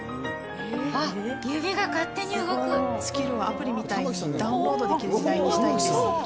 あっ、スキルをアプリみたいにダウンロードできる時代にしたいんです。